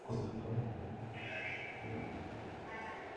Es originario de Nueva Caledonia, Islas Marshall y las Islas Cocos.